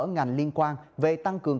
ngành liên quan về tăng cường